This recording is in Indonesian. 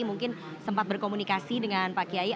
mungkin sempat berkomunikasi dengan pak kiai